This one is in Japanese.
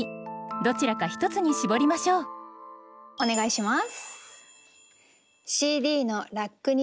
どちらか一つに絞りましょうお願いします。